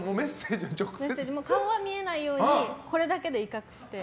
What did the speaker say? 顔は見えないようにこれだけで威嚇して。